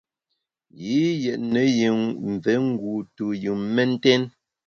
Yi yétne yi mvé ngu tuyùn mentèn.